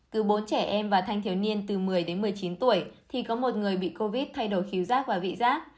cứ bốn trẻ em và thanh thiếu niên từ một mươi đến một mươi chín tuổi thì có một người bị covid thay đổi khí rác và vị giác